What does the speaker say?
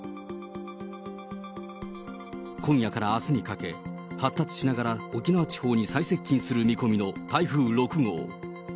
今夜からあすにかけ、発達しながら沖縄地方に最接近する見込みの台風６号。